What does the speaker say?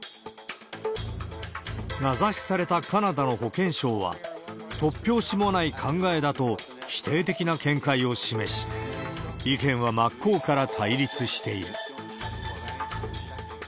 名指しされたカナダの保健相は、突拍子もない考えだと否定的な見解を示し、意見は真っ向から対立している。